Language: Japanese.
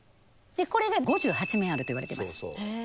これが５８面あるといわれてます。